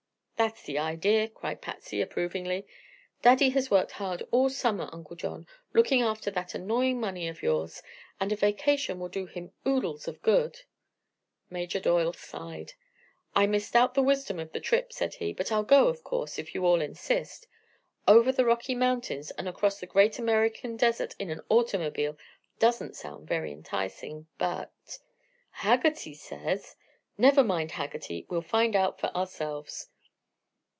"That's the idea," cried Patsy, approvingly. "Daddy has worked hard all summer, Uncle John, looking after that annoying money of yours, and a vacation will do him oodles of good." Major Doyle sighed. "I misdoubt the wisdom of the trip," said he, "but I'll go, of course, if you all insist. Over the Rocky Mountains and across the Great American Desert in an automobile doesn't sound very enticing, but " "Haggerty says " "Never mind Haggerty. We'll find out for ourselves."